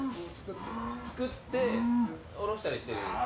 造って卸したりしてるんですか？